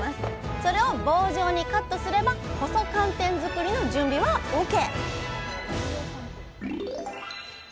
それを棒状にカットすれば細寒天作りの準備はＯＫ